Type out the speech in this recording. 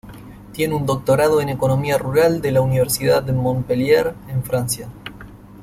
Tiene un doctorado en economía rural de la Universidad de Montpellier en Francia.